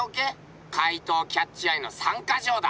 怪盗キャッチュ・アイの３か条だ。